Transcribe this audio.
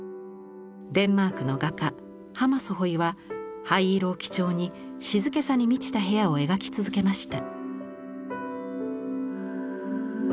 デンマークの画家ハマスホイは灰色を基調に静けさに満ちた部屋を描き続けました。